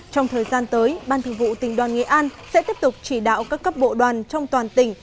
trong thời gian tới ban thường vụ tỉnh đoàn nghệ an sẽ tiếp tục chỉ đạo các cấp bộ đoàn trong toàn tỉnh